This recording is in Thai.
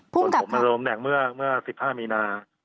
เพราะผมเริ่มแนกเมื่อ๑๕มีนา